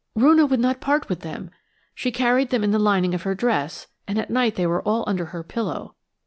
"Roonah would not part with them. She carried them in the lining of her dress, and at night they were all under her pillow.